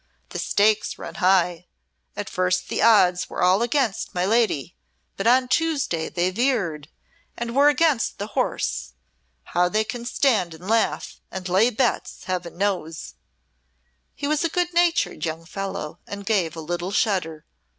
The stakes run high. At first the odds were all against my lady, but on Tuesday they veered and were against the horse. How they can stand and laugh, and lay bets, Heaven knows!" He was a good natured young fellow and gave a little shudder.